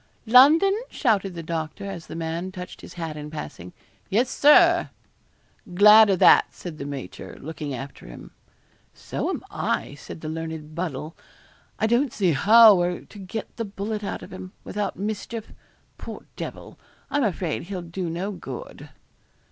'London?' shouted the doctor, as the man touched his hat in passing. 'Yes, Sir.' 'Glad o' that,' said the major, looking after him. 'So am I,' said the learned Buddle. 'I don't see how we're to get the bullet out of him, without mischief. Poor devil, I'm afraid he'll do no good.'